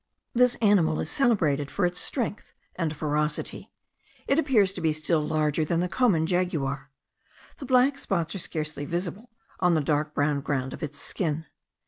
This animal is celebrated for its strength and ferocity; it appears to be still larger than the common jaguar. The black spots are scarcely visible on the dark brown ground of its skin.